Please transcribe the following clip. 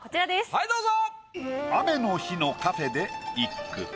はいどうぞ。